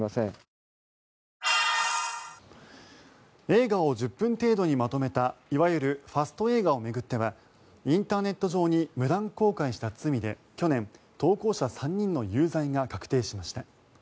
映画を１０分程度にまとめたいわゆるファスト映画を巡ってはインターネット上に無断公開した罪で去年投稿者３人の有罪が確定しました。